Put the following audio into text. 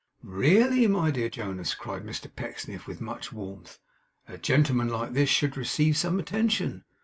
'Really, my dear Jonas,' cried Mr Pecksniff, with much warmth, 'a gentleman like this should receive some attention.